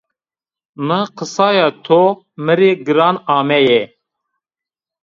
Na qisaya to mi rê giran ameye